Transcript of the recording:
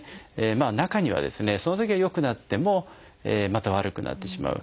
中にはそのときは良くなってもまた悪くなってしまう。